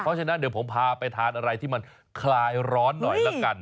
เพราะฉะนั้นเดี๋ยวผมพาไปทานอะไรที่มันคลายร้อนหน่อยละกัน